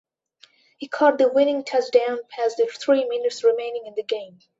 He caught the winning touchdown pass with three minutes remaining in the game.